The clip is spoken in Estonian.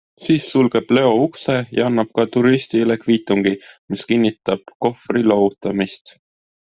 Siis sulgeb Leo ukse ja annab ka turistile kviitungi, mis kinnitab kohvri loovutamist.